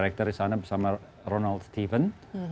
director di sana bersama ronald steven